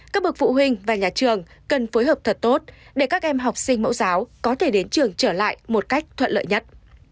các bậc phụ huynh và nhà trường cần phối hợp thật tốt để các em học sinh mẫu giáo có thể đến trường trở lại một cách thuận lợi nhất